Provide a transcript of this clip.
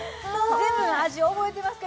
全部の味覚えてますか？